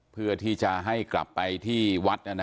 เพื่อที่จะให้กลับไปที่วัด